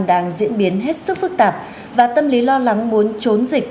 đang diễn biến hết sức phức tạp và tâm lý lo lắng muốn trốn dịch